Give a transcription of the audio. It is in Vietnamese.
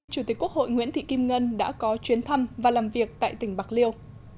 chủ tịch quốc hội nguyễn thị kim ngân đã có chuyến thăm và làm việc tại tỉnh bạc liêu